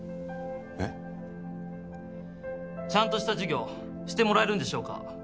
えっ？ちゃんとした授業してもらえるんでしょうか？